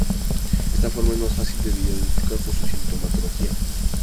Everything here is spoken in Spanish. Esta forma es más fácil de diagnosticar por su sintomatología.